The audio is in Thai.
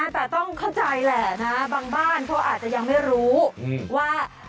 แต่ต้องเข้าใจแหละนะบางบ้านเขาอาจจะยังไม่รู้ว่า